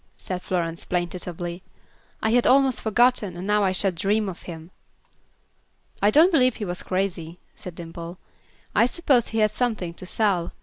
said Florence, plaintively. "I had almost forgotten, and now I shall dream of him." "I don't believe he was crazy," said Dimple. "I suppose he had something to sell.